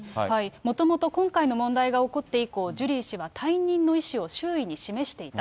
もともと今回の問題が起こって以降、ジュリー氏は退任の意思を周囲に示していた。